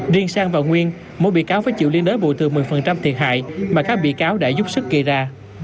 riêng sang và nguyên mỗi bị cáo phải chịu liên đối bù từ một mươi thiệt hại mà các bị cáo đã giúp sức gây ra